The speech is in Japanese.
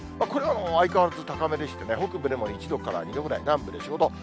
これは相変わらず高めでしてね、北部でも１度から２度ぐらい、南部で４、５度。